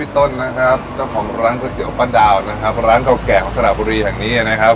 ต้นนะครับเจ้าของร้านก๋วยเตี๋ยป้าดาวนะครับร้านเก่าแก่ของสระบุรีแห่งนี้นะครับ